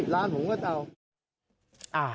ร้านผมก็จะเอา